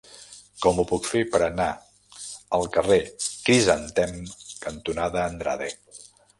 Com ho puc fer per anar al carrer Crisantem cantonada Andrade?